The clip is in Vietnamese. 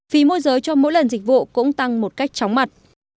phí môi giới cho mỗi lần dịch vụ cũng tăng một cách chóng mặt